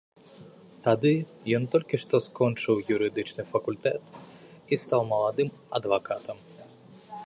Тады ён толькі што скончыў юрыдычны факультэт і стаў маладым адвакатам.